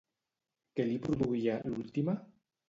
Què li produïa l'última?